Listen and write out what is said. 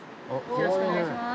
よろしくお願いします。